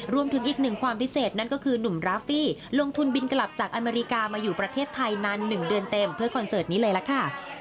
รวมถึงอีกหนึ่งความพิเศษนั่นก็คือหนุ่มราฟี่ลงทุนบินกลับจากอเมริกามาอยู่ประเทศไทยนาน๑เดือนเต็มเพื่อคอนเสิร์ตนี้เลยล่ะค่ะ